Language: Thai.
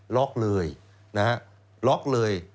ล็อกเลยนะฮะล็อกเลย